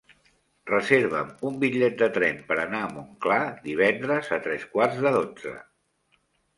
Reserva'm un bitllet de tren per anar a Montclar divendres a tres quarts de dotze.